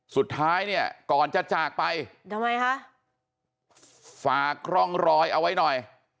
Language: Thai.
สุดท้ายเนี่ยก่อนจะจากไปทำไมคะฝากร่องรอยเอาไว้หน่อย